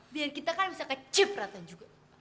biar kita kan bisa ke chip ratenya juga